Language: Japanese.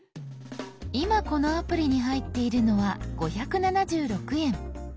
今このアプリに入っているのは５７６円。